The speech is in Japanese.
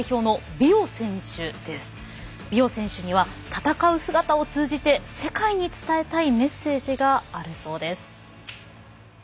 ビオ選手には戦う姿を通じて世界に伝えたいメッセージがあるそうです。